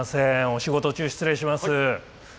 お仕事中失礼します。